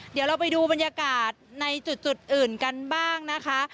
เดี๋ยวเราไปดูบรรยากาศในจุดอื่นกันบ้างนะคะ